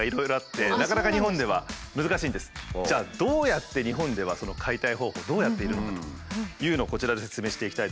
じゃあどうやって日本ではその解体方法どうやっているのかというのをこちらで説明していきたいと思います。